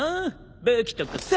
武器とかさ。